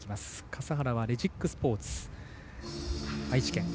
笠原はレジックスポーツ愛知県。